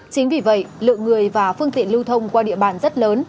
chính vì vậy lượng người và phương tiện lưu thông qua địa bàn rất lớn